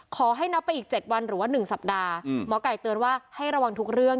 นับไปอีก๗วันหรือว่า๑สัปดาห์หมอไก่เตือนว่าให้ระวังทุกเรื่อง